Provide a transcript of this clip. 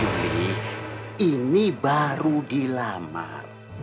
yuli ini baru dilamar